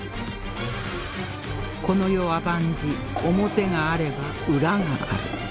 この世は万事表があれば裏がある